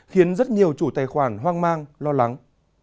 khiến rất nhiều chủ tài khoản hoang mang lo lắng